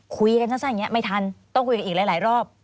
คุยกันสั้นอย่างนี้ไม่ทันต้องคุยกันอีกหลายรอบ